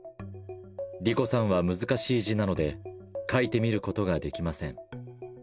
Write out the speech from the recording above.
莉子さんは難しい字なので書いてみることができません。